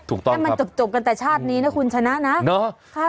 ถูกต้อนครับให้มันจบจบกันแต่ชาตินี้นะคุณชนะนะเนอะค่ะ